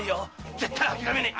絶対諦めねえ！